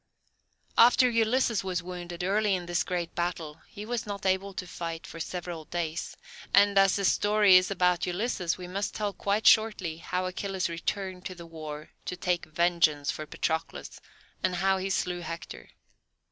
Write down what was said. After Ulysses was wounded, early in this great battle, he was not able to fight for several days, and, as the story is about Ulysses, we must tell quite shortly how Achilles returned to the war to take vengeance for Patroclus, and how he slew Hector.